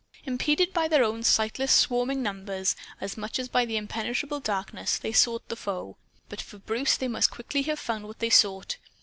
Impeded by their own sightlessly swarming numbers, as much as by the impenetrable darkness, they sought the foe. And but for Bruce they must quickly have found what they sought.